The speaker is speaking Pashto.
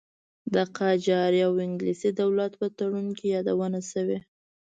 د قاجاري او انګلیسي دولت په تړون کې یادونه شوې.